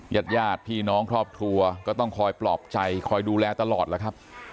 ญาติญาติพี่น้องครอบครัวก็ต้องคอยปลอบใจคอยดูแลตลอดแล้วครับ